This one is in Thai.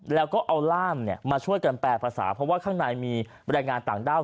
แล้วก็เอาร่ามมาช่วยกันแปลภาษาเพราะว่าข้างในมีบรรยายงานต่างด้าว